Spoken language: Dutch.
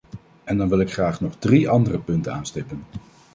En dan wil ik graag nog drie andere punten aanstippen.